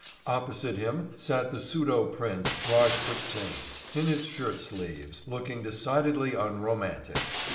Opposite him sat the pseudo prince Rajput Singh in his shirt sleeves, looking decidedly unromantic.